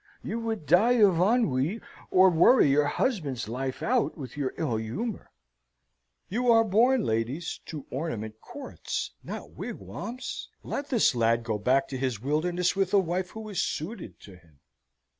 You would die of ennui, or worry your husband's life out with your ill humour. You are born, ladies, to ornament courts not wigwams. Let this lad go back to his wilderness with a wife who is suited to him."